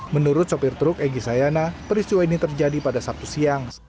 menurut sopir truk egy sayana peristiwa ini terjadi pada sabtu siang